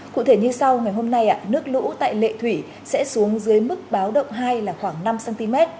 cụ thể như sau ngày hôm nay nước lũ tại lệ thủy sẽ xuống dưới mức báo động hai là khoảng năm cm